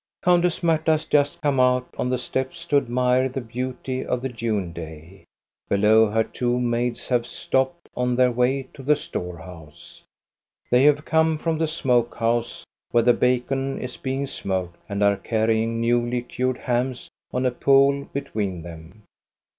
Countess Marta has just come out on the steps to admire the beauty of the June day. Below her two maids have stopped on their way to the store house. They have come from the smoke house, where the bacon is being smoked, and are carrying newly cured hams on a pole between them.